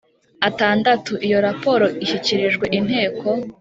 Atandatu iyo raporo ishyikirijwe inteko